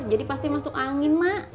jadi pasti masuk angin mak